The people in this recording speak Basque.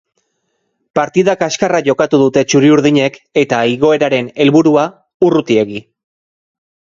Partida kaskarra jokatu dute txuri-urdinek eta igoeraren helburua, urrutiegi.